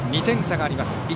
２点差があります。